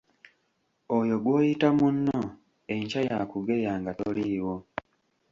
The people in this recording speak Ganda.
Oyo gw’oyita munno enkya y’akugeya nga toliiwo.